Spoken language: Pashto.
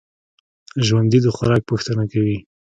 ژوندي د خوراک پوښتنه کوي